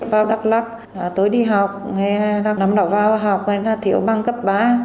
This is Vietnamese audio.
đi vào đắk lắc tối đi học năm đầu vào học người ta thiếu bằng cấp ba